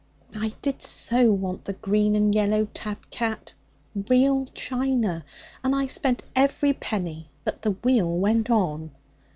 I did so want the green and yellow tab cat real china and I spent every penny, but the wheel went on.'